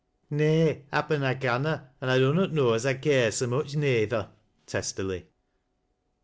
" Nay, happen I canna, an' I dunnot know as I care so much, neyther," testily.